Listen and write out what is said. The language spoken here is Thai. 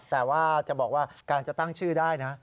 แต่ว่าจะบอกว่าการจะตั้งชื่อได้นะ